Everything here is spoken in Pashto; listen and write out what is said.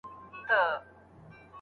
ستا د دوو هنديو سترگو صدقې ته